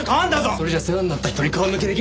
それじゃ世話になった人に顔向けできねえんだ。